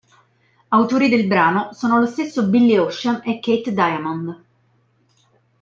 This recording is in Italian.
Autori del brano sono lo stesso Billy Ocean e Keith Diamond.